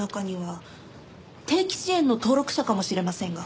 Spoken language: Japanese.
定期支援の登録者かもしれませんが。